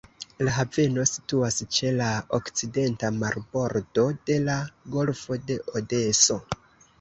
La haveno situas ĉe la okcidenta marbordo de la golfo de Odeso.